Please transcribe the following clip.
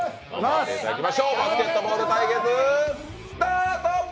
バスケットボール対決スタート！